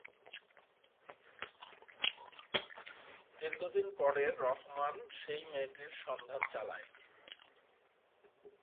দীর্ঘদিন পরে রহমান সেই মেয়েটির সন্ধান চালায়।